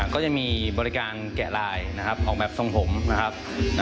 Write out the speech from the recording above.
ก็จะมีบริการแกะลายนะครับออกแบบทรงผมนะครับ